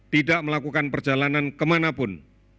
tidak melakukan perjalanan kemanapun